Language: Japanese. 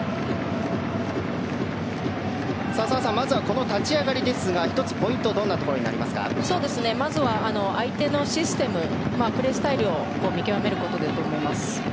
澤さん、まずは立ち上がりですが１つポイントはまずは相手のシステムプレースタイルを見極めることだと思います。